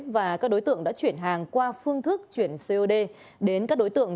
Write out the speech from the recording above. và các đối tượng đã chuyển hàng qua phương thức chuyển cod đến các đối tượng